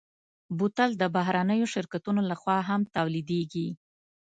بوتل د بهرنيو شرکتونو لهخوا هم تولیدېږي.